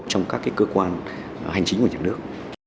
trong các cái cơ quan hành trình của nhà nước